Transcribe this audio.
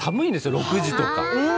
６時とか。